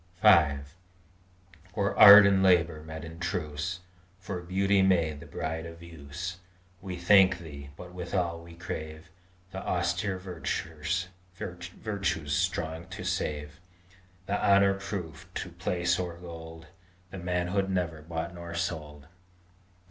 V For art and labor met in truce, For beauty made the bride of use, We thank Thee; but, withal, we crave The austere virtues strong to save, The honor proof to place or gold, The manhood never bought nor sold!